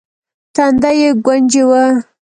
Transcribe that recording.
تندی يې ګونجې و.